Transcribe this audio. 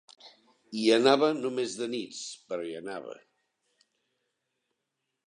Hi anava no més de nits, però hi anava.